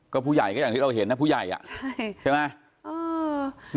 ก็ผู้ใหญ่ก็อย่างที่เราเห็นนะผู้ใหญ่อ่ะใช่ใช่ไหม